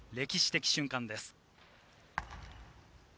歴史的瞬間です。